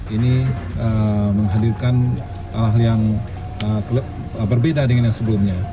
ini menghadirkan hal hal yang berbeda dengan yang sebelumnya